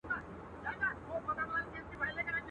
چي به شپه ورباندي تېره ورځ به شپه سوه.